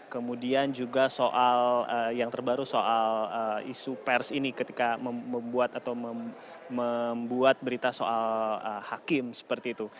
kemudian juga soal yang terbaru soal isu pers ini ketika membuat atau membuat berita soal hakim seperti itu